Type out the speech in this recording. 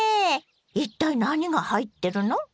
一体何が入ってるの？